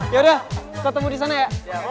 ya udah ketemu di sana ya